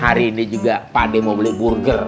hari ini juga pak d mau beli burger